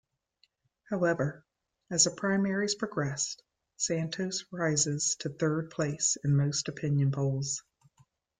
However, as the primaries progress, Santos rises to third place in most opinion polls.